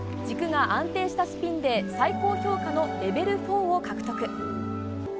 軸が安定したスピンで最高評価のレベル４を獲得。